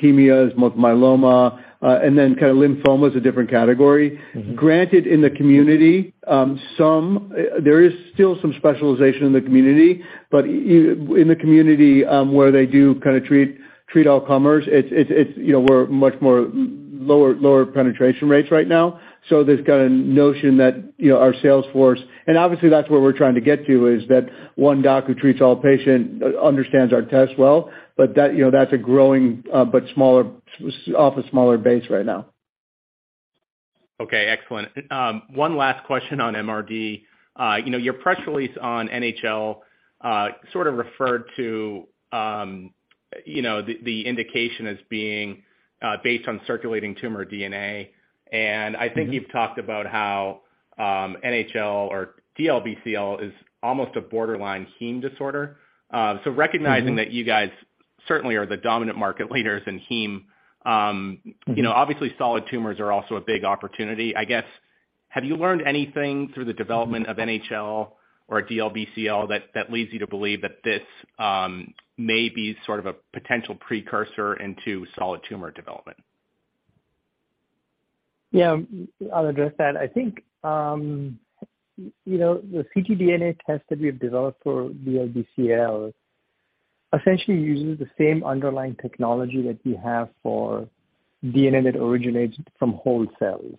leukemias, multiple myeloma, and then kind of lymphoma is a different category. Mm-hmm. Granted in the community, there is still some specialization in the community, but in the community, where they do kinda treat all comers, it's, you know, we're much lower penetration rates right now. So there's a notion that, you know, our sales force. Obviously, that's where we're trying to get to, is that one doc who treats all patients understands our test well, but that, you know, that's a growing, but smaller, off a smaller base right now. Okay, excellent. One last question on MRD. You know, your press release on NHL sort of referred to, you know, the indication as being based on circulating tumor DNA. I think- Mm-hmm. You've talked about how, NHL or DLBCL is almost a borderline heme disorder. Recognizing- Mm-hmm. That you guys certainly are the dominant market leaders in heme. Mm-hmm. You know, obviously solid tumors are also a big opportunity. I guess, have you learned anything through the development of NHL or DLBCL that leads you to believe that this may be sort of a potential precursor into solid tumor development? Yeah. I'll address that. I think, you know, the ctDNA test that we have developed for DLBCL essentially uses the same underlying technology that we have for DNA that originates from whole cells.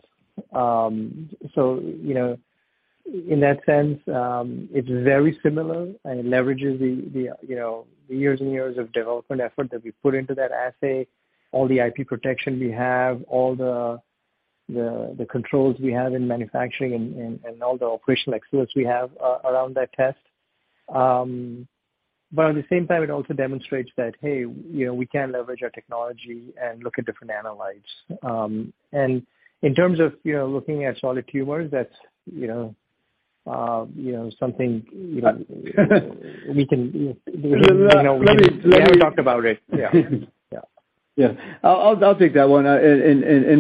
So, you know, in that sense, it's very similar and it leverages the you know, the years and years of development effort that we put into that assay, all the IP protection we have, all the controls we have in manufacturing and all the operational excellence we have around that test. But at the same time, it also demonstrates that, hey, you know, we can leverage our technology and look at different analytes. And in terms of, you know, looking at solid tumors, that's, you know, something, you know, we can, you know. Let me talk about it. Yeah. Yeah. Yeah. I'll take that one.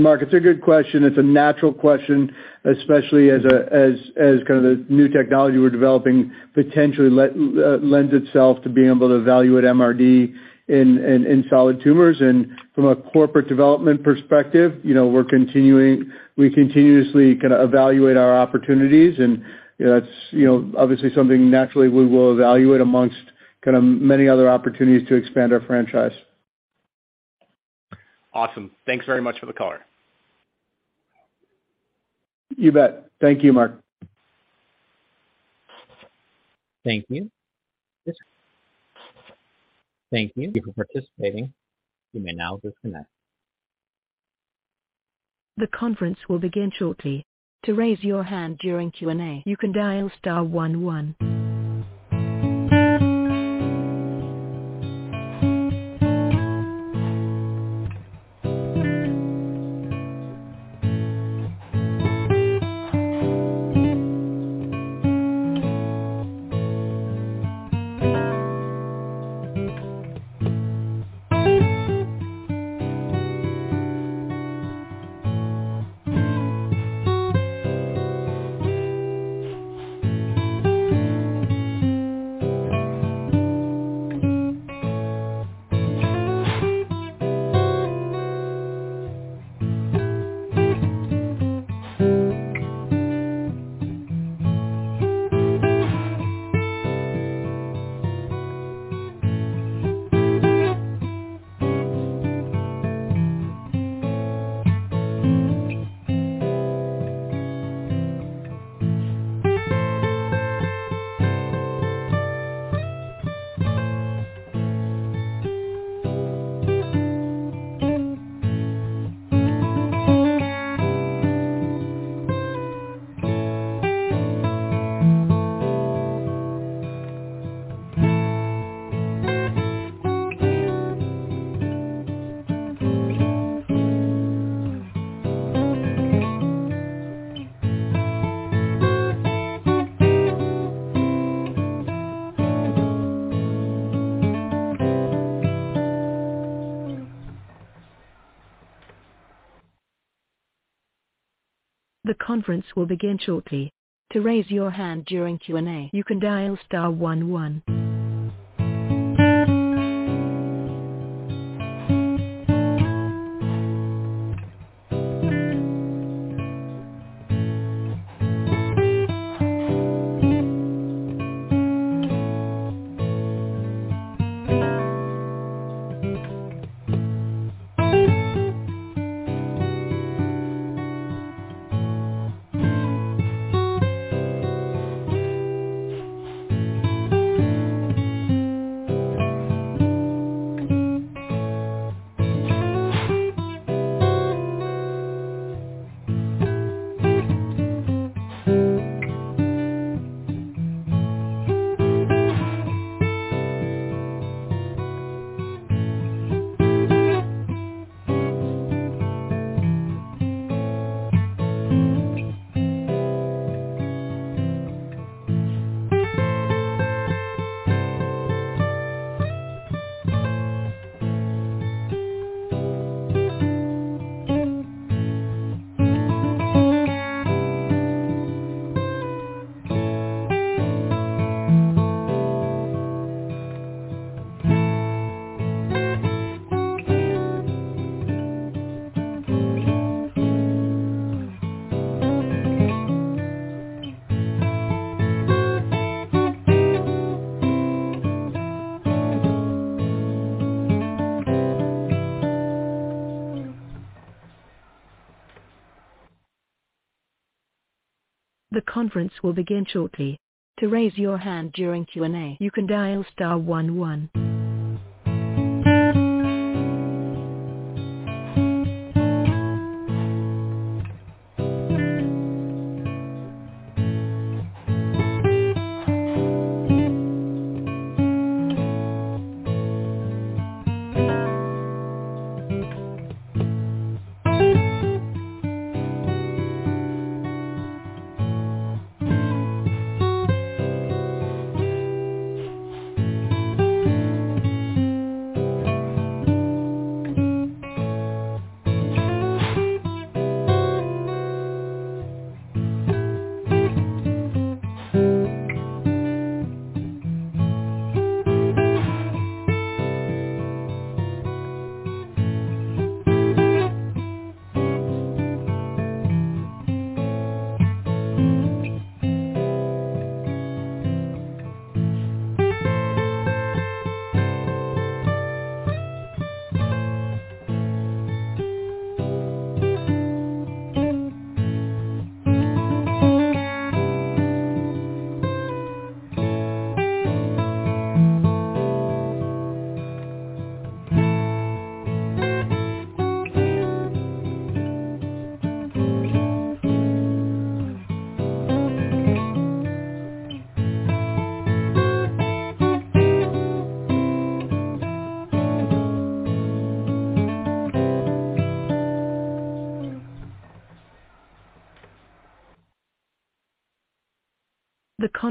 Mark, it's a good question. It's a natural question, especially as kinda the new technology we're developing potentially lends itself to being able to evaluate MRD in solid tumors. From a corporate development perspective, you know, we continuously kinda evaluate our opportunities, and that's, you know, obviously something naturally we will evaluate amongst kinda many other opportunities to expand our franchise. Awesome. Thanks very much for the color. You bet. Thank you, Mark. Thank you. Thank you for participating. You may now disconnect. The conference will begin shortly. To raise your hand during Q&A, you can dial star one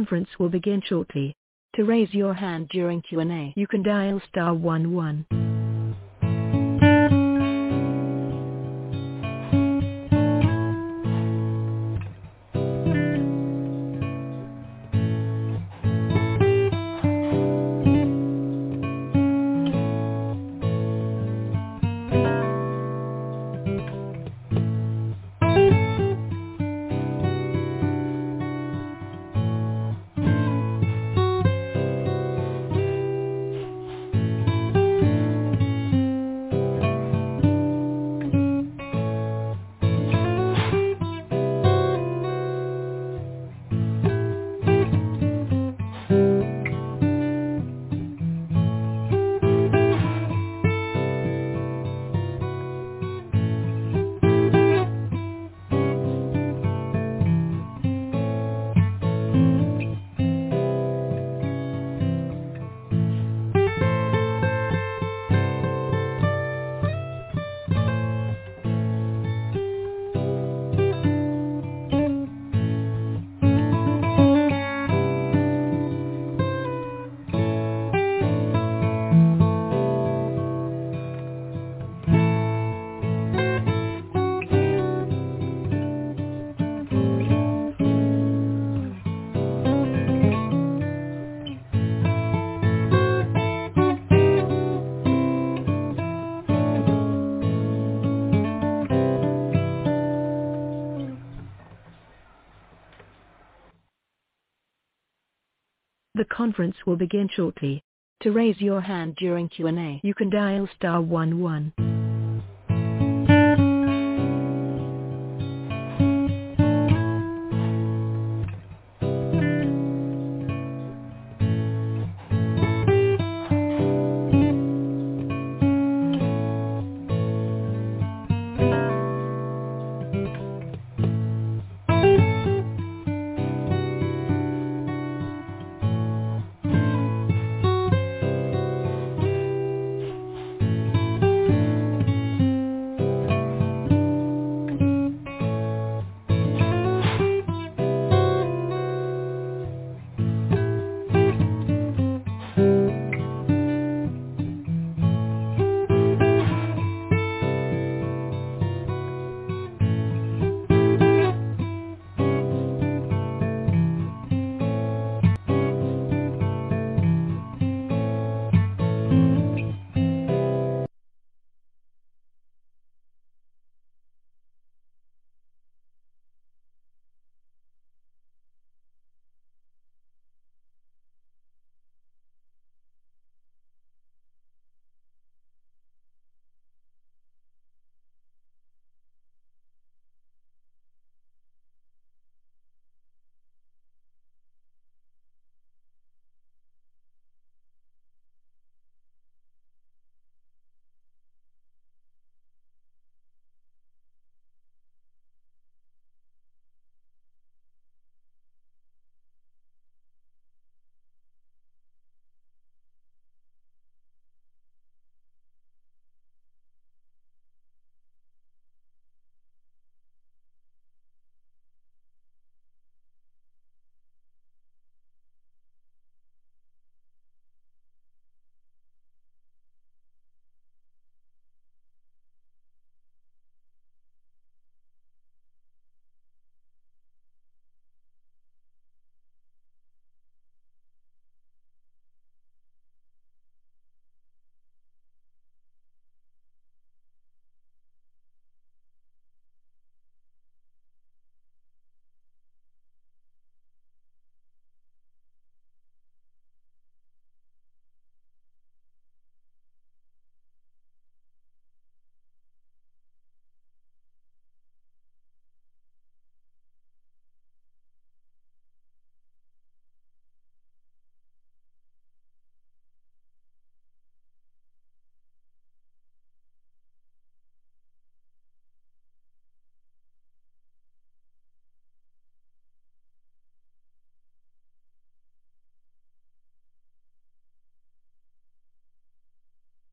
one.